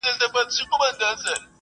نه مې له مار سره بدي وه،